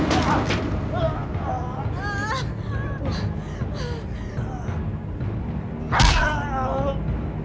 bagaimana ini salah